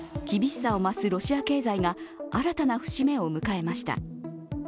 厳しさを増すロシア経済が新たな節目を迎えました。